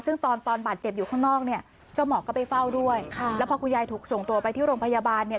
ซึ่งตอนตอนบาดเจ็บอยู่ข้างนอกเนี่ยเจ้าหมอก็ไปเฝ้าด้วยค่ะแล้วพอคุณยายถูกส่งตัวไปที่โรงพยาบาลเนี่ย